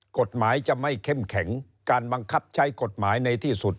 กฎหมายจะไม่เข้มแข็งการบังคับใช้กฎหมายในที่สุด